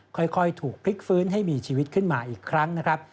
ค่อยถูกพลิกฟื้นให้มีชีวิตขึ้นมาอีกครั้งนะครับ